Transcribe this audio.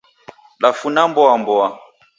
Dafuna mboa mboa